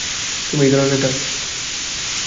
তুমি এই দলের নেতা?